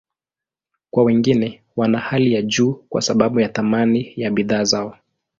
Kwa wengine, wana hali ya juu kwa sababu ya thamani ya bidhaa zao.